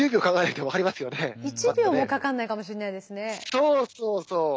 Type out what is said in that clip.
そうそうそう。